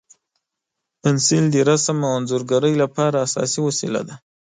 پنسل د رسم او انځورګرۍ لپاره اساسي وسیله ده.